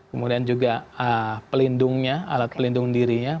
kemudian juga pelindungnya alat pelindung dirinya